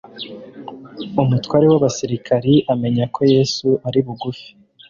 Umutware w'abasirikari amenya ko Yesu ari bugufi,